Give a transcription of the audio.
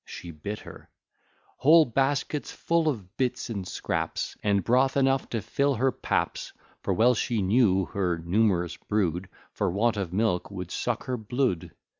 she bit her;) Whole baskets full of bits and scraps, And broth enough to fill her paps; For well she knew, her numerous brood, For want of milk, would suck her blood.